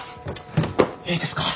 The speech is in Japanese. いいですか？